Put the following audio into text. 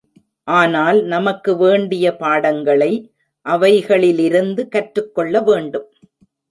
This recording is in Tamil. ஆனால் நமக்கு வேண்டிய பாடங்களை அவைகளிலிருந்து கற்றுக் கொள்ள வேண்டும்.